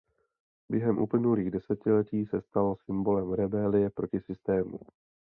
Během uplynulých desetiletí se stal symbolem rebelie proti systému.